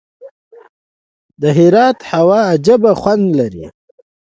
د هرات هوا عجیب خوند لري.